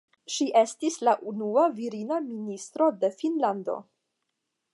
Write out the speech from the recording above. Ŝi estis la unua virina ministro de Finnlando.